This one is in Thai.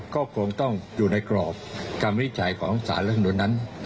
ก็คงต้องอยู่ในกรอบคำวินิจฉัยของสารรัฐมนุนนั้น